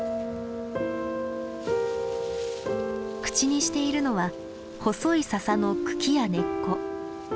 口にしているのは細いササの茎や根っこ。